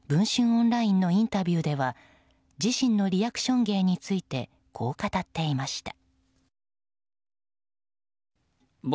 オンラインのインタビューでは自身のリアクション芸についてこう語っていました。